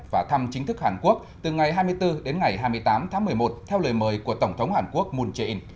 và thăm chính thức hàn quốc từ ngày hai mươi bốn đến ngày hai mươi tám tháng một mươi một theo lời mời của tổng thống hàn quốc moon jae in